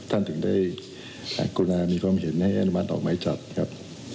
ท่านถึงได้กรุณามีความเห็นอาณาวัฒน์ของเหมาะจับครับ